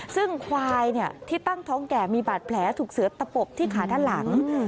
ซึ่งควายที่ตั้งท้องแก่มีบาดแผลถูกเสือตะปบที่ขาด้านหลัง